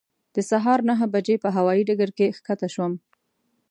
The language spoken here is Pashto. د سهار نهه بجې په هوایي ډګر کې کښته شوم.